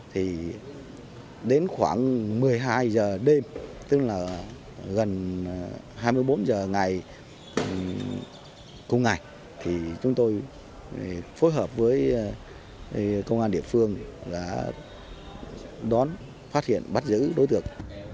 thì đến khoảng một mươi hai h đêm tức là gần hai mươi bốn h ngày cùng ngày thì chúng tôi phối hợp với công an địa phương đã đón phát hiện bắt giữ đối tượng